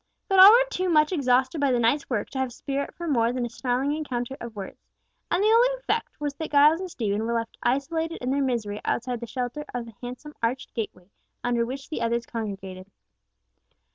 But all were too much exhausted by the night's work to have spirit for more than a snarling encounter of words, and the only effect was that Giles and Stephen were left isolated in their misery outside the shelter of the handsome arched gateway under which the others congregated.